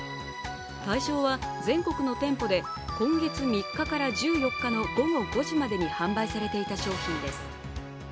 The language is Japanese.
対象は全国の店舗で今月３日から１４日の午後５時までに販売されていた商品です。